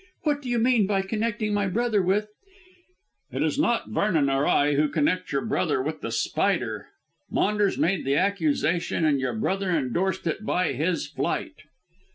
"What do you mean by connecting my brother with " "It is not Vernon or I who connect your brother with The Spider. Maunders made the accusation and your brother endorsed it by his flight."